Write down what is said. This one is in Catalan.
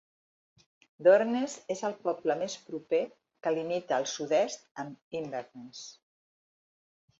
Durness és el poble més proper, que limita al sud-est amb Inverness.